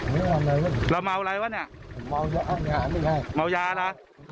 เราเมาอะไรวะเนี่ยเมายาล่ะ